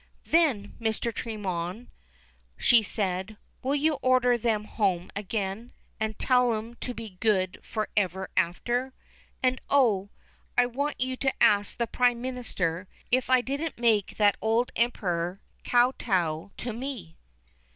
"Then, Mr. Tremorne," she said, "will you order them home again, and tell 'em to be good for ever after. And oh! I want you to ask the Prime Minister if I didn't make that old Emperor kow tow to me."